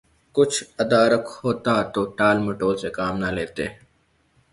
کچھ ادراک ہوتا تو ٹال مٹول سے کام نہ لیتے۔